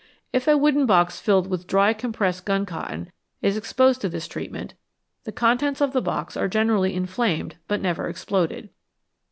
If a wooden box filled with dry compressed gun cotton is exposed to this treatment, the contents of the box are generally inflamed but never exploded.